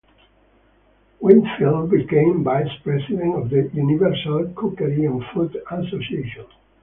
Wingfield became vice-president of "The Universal Cookery and Food Association".